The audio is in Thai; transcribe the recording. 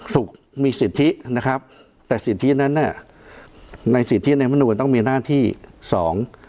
สุขมีสิทธินะครับแต่สิทธินั้นน่ะในสิทธิในมนุนต้องมีหน้าที่สอง